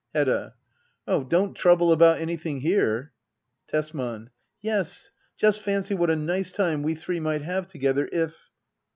Hedda. Oh, don't trouble about anything here. Tesman. Yes, just fancy what a nice time we three might have together, if